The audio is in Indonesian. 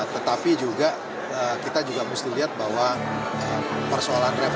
tetapi juga kita juga mesti lihat bahwa persoalan representasi